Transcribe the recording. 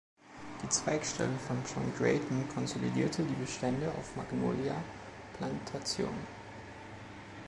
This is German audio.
Die Zweigstelle von John Drayton konsolidierte die Bestände auf Magnolia Plantation.